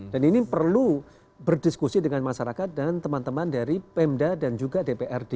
ini perlu berdiskusi dengan masyarakat dan teman teman dari pemda dan juga dprd